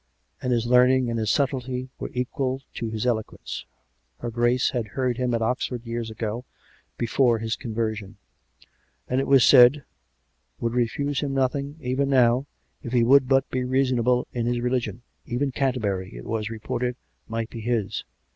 And his learning and his subtlety were equal to his elo quence: her Grace had heard him at Oxford years ago, before his conversion; and, it was said, would refuse him nothing, even now, if he would but be reasonable in his religion; even Canterbury, it was reported, might be his.